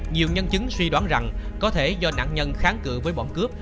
nhiều nhân chứng suy đoán rằng có thể do nạn nhân kháng cự với bọn cướp